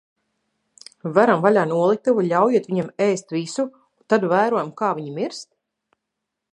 Veram vaļā noliktavu, ļaujot viņiem ēst visu, tad vērojam, kā viņi mirst?